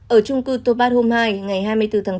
ở trung cư tô pát hôm hai ngày hai mươi bốn tháng bốn